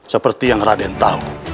seperti yang arden tahu